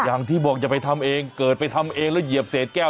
อย่างที่บอกอย่าไปทำเองเกิดไปทำเองแล้วเหยียบเศษแก้ว